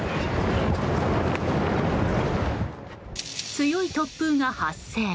強い突風が発生。